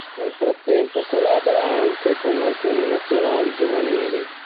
Nel frattempo collabora anche con alcune Nazionali giovanili.